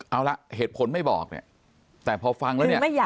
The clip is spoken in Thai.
เอาละเหตุผลไม่บอกเนี่ย